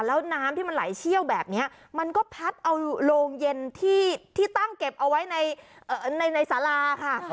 แล้วน้ำที่มันไหลเชี่ยวแบบนี้มันก็พัดเอาโรงเย็นที่ตั้งเก็บเอาไว้ในสาราค่ะ